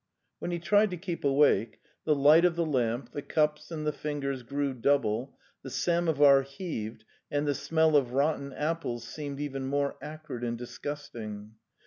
When he tried to keep awake, the light of the lamp, the cups and the fingers grew double, the samovar heaved and the smell of rotten apples seemed even more acrid and disgusting.